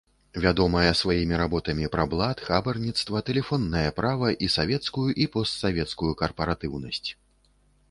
Вядомая сваімі работамі пра блат, хабарніцтва, тэлефоннае права і савецкую і постсавецкую карпаратыўнасць.